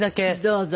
どうぞ。